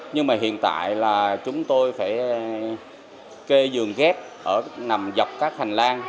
nhưng mà hiện tại là chúng tôi phải kê giường ghép nằm dọc các hành lang